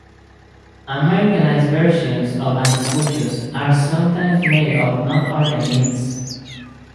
Americanized versions of anticuchos are sometimes made of non-organ meats.